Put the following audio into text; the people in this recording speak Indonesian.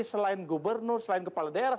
selain gubernur selain kepala daerah